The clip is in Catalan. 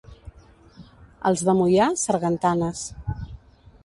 Els de Moià, sargantanes.